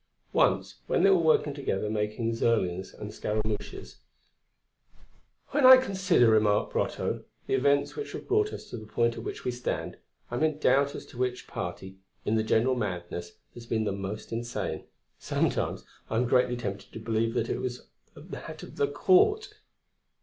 Once when they were working together making Zerlines and Scaramouches: "When I consider," remarked Brotteaux, "the events which have brought us to the point at which we stand, I am in doubt as to which party, in the general madness, has been the most insane; sometimes, I am greatly tempted to believe it was that of the Court."